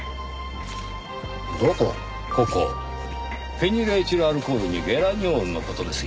フェニルエチルアルコールにゲラニオールの事ですよ。